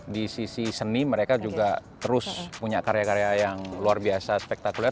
di sisi seni mereka juga terus punya karya karya yang luar biasa spektakuler